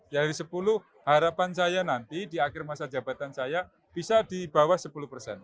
dari sepuluh harapan saya nanti di akhir masa jabatan saya bisa di bawah sepuluh persen